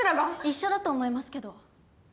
一緒だと思いますけど。